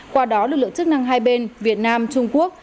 qua đó lực lượng chức năng hai bên việt nam trung quốc